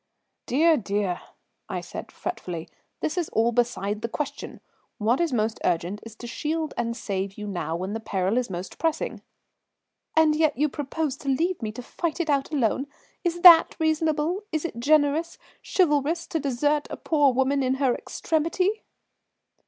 "Dear, dear," I said fretfully, "this is all beside the question. What is most urgent is to shield and save you now when the peril is most pressing." "And yet you propose to leave me to fight it out alone? Is that reasonable? Is it generous, chivalrous, to desert a poor woman in her extremity?"